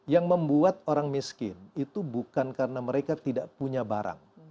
yang membuat orang miskin itu bukan karena mereka tidak punya barang